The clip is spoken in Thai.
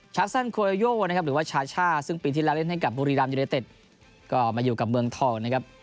ัสซันโคโรโยนะครับหรือว่าชาช่าซึ่งปีที่แล้วเล่นให้กับบุรีรัมยูเนเต็ดก็มาอยู่กับเมืองทองนะครับ